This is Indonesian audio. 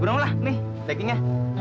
berumlah nih dagingnya